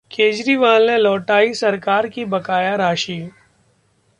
केजरीवाल ने लौटायी सरकार की बकाया राशि